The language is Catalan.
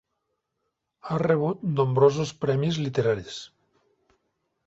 Ha rebut nombrosos premis literaris.